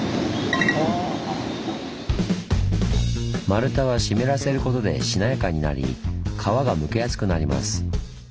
丸太は湿らせることでしなやかになり皮がむけやすくなります。